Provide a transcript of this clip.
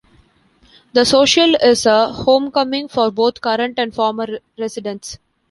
"The Social" is a homecoming for both current and former residents.